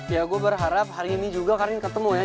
ya gue berharap hari ini juga karin ketemu ya